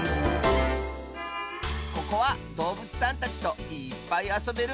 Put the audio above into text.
ここはどうぶつさんたちといっぱいあそべるぼくじょうだよ。